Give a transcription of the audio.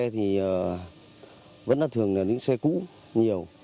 thì vẫn là thường là những xe cũ nhiều